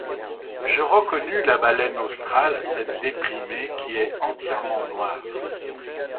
Je reconnus la baleine australe, à tête déprimée, qui est entièrement noire.